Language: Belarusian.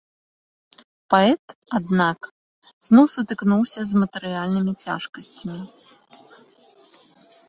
Паэт, аднак, зноў сутыкнуўся з матэрыяльнымі цяжкасцямі.